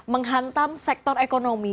menghantam sektor ekonomi